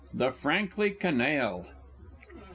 THE FRANKLY CANAILLE.